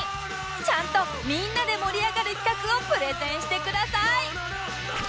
ちゃんとみんなで盛り上がる企画をプレゼンしてください！